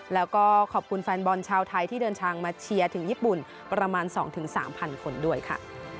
แล้วก็ขอบคุณแฟนบอลชาวไทยที่เดินทางมาเชียร์ถึงญี่ปุ่นประมาณ๒๓๐๐คนด้วยค่ะ